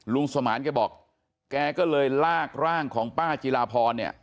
สมานแกบอกแกก็เลยลากร่างของป้าจิลาพรเนี่ย